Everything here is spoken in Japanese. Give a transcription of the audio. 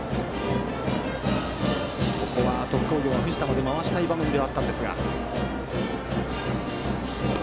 ここは鳥栖工業は藤田まで回したい場面ではあったんですが。